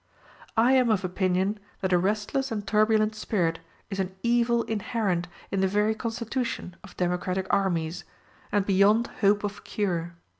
I am of opinion that a restless and turbulent spirit is an evil inherent in the very constitution of democratic armies, and beyond hope of cure.